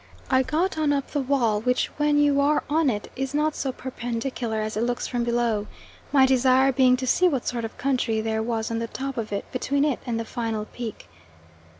I got on up the wall, which when you are on it is not so perpendicular as it looks from below, my desire being to see what sort of country there was on the top of it, between it and the final peak.